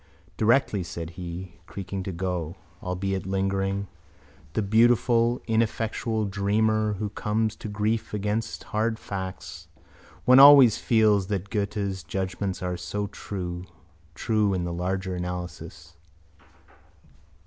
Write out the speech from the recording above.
—Directly, said he, creaking to go, albeit lingering. The beautiful ineffectual dreamer who comes to grief against hard facts. One always feels that Goethe's judgments are so true. True in the larger analysis.